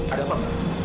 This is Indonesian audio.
ada apa pak